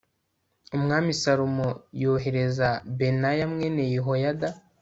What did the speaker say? umwami salomo yohereza benaya mwene yehoyada